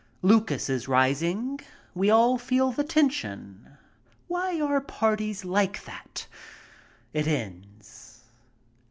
Lucas is rising. We all feel the tension. Why are parties like that ? It ends.